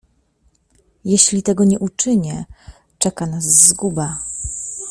"Jeśli tego nie uczynię, czeka nas zguba!"